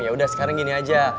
yaudah sekarang gini aja